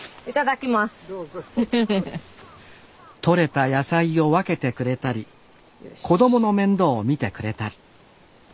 とれた野菜を分けてくれたり子どもの面倒を見てくれたり。